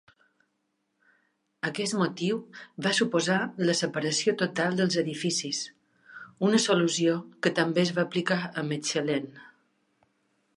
Aquest motiu va suposar la separació total dels edificis, una solució que també es va aplicar a Mechelen.